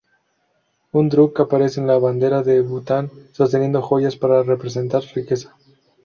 Un druk aparece en la bandera de Bután, sosteniendo joyas para representar riqueza.